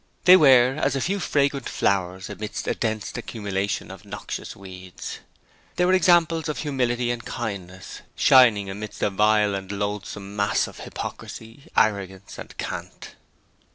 They were as a few fragrant flowers amidst a dense accumulation of noxious weeds. They were examples of humility and kindness shining amidst a vile and loathsome mass of hypocrisy, arrogance, and cant.